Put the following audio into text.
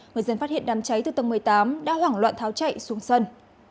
người dân phát hiện đám cháy từ tầng một mươi tám đã hoảng loạn tháo chạy xuống sân